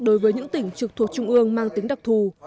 đối với những tỉnh trực thuộc trung ương mang tính đặc thù